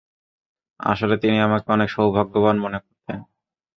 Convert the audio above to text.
আসলে তিনি আমাকে অনেক সৌভাগ্যবান মনে করতেন।